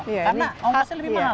karena pasti lebih mahal